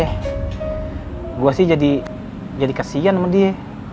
eh gue sih jadi kasian sama dia